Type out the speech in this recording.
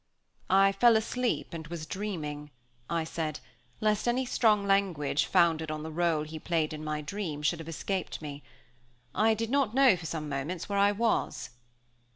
"I fell asleep and was dreaming," I said, lest any strong language, founded on the rôle he played in my dream, should have escaped me. "I did not know for some moments where I was."